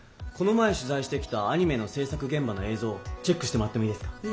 この前取ざいしてきたアニメの制作げん場の映像チェックしてもらってもいいですか？